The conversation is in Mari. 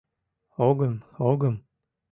Огым, огым!